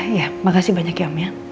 iya makasih banyak ya om ya